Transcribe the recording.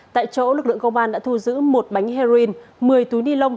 tại chỗ lực lượng công an đã thu giữ một bánh heroin